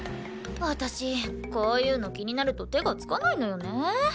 私こういうの気になると手がつかないのよね。